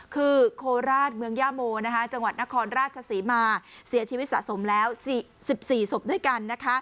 คือโคราชเมืองย่าโมจังหวัดนครราชศรีมาเสียชีวิตสะสมแล้ว๑๔ศพด้วยกันนะคะ